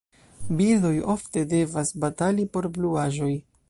Birdoj ofte devas batali por bluaĵoj.